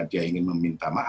dia ingin meminta pemerintah